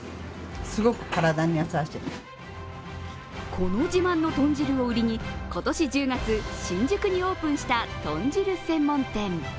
この自慢の豚汁を売りに、今年１０月、新宿にオープンした豚汁専門店。